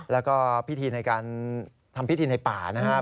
แล้วก็พิธีในการทำพิธีในป่านะครับ